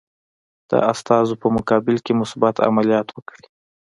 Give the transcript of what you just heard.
د استازو په مقابل کې مثبت عملیات وکړي.